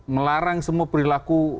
melarang semua perilaku